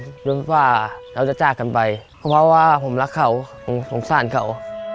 รู้สึกว่าเราจะจากกันไปเพราะว่าผมรักเขาผมสงสารเขา